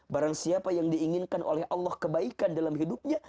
barang siapa yang diinginkan oleh allah kebaikan dalam hidupnya